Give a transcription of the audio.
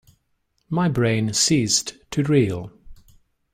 My brain ceased to reel.